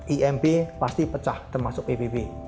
imp pasti pecah termasuk pbb